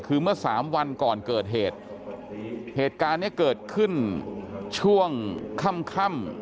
คือเมื่อสามวันก่อนเกิดเหตุเหตุการณ์เนี้ยเกิดขึ้นช่วงค่ำค่ำ